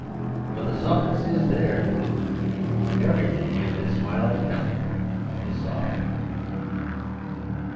But the softness is there; everything in this twilight temple is soft.